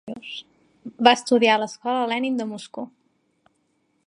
Va estudiar a l'Escola Lenin de Moscou.